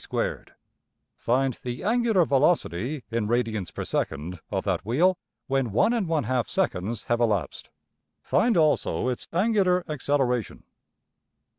\] Find the angular velocity (in radians per second) of that wheel when $1\frac$~seconds have elapsed. Find also its angular acceleration.